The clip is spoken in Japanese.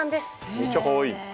めっちゃかわいい。